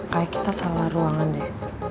kayak kita sama ruangan deh